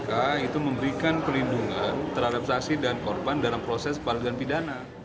sampai jumpa di video selanjutnya